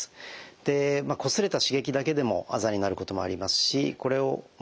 でこすれた刺激だけでもあざになることもありますしこれを老人性のですね